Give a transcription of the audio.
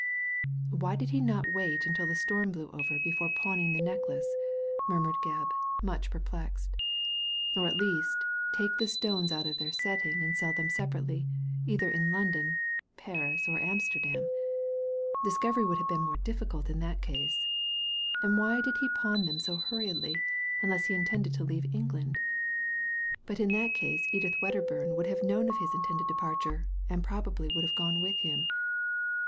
Why did he not wait until the storm blew over before pawning the necklace,*' murmured Gebb, much perplexed, "or, at least, take the stones out of their setting and sell them separately, either in London, Paris, or Amsterdam ? Discovery would have been more difficult in that case. And why did he pawn them so hurriedly unless he intended to leave Eng land? But in that case Edith Wedderburn would have known of his intended departure, and probably would have gone with him.